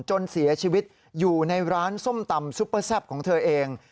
จนเสียชีวิตอยู่ในร้านส้มตำซุปเปอร์แซ่บของเธอเอง